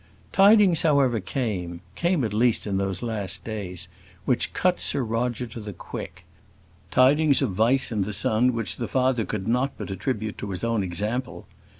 Tidings, however, came came at least in those last days which cut Sir Roger to the quick; tidings of vice in the son which the father could not but attribute to his own example.